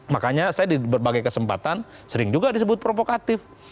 makanya saya di berbagai kesempatan sering juga disebut provokatif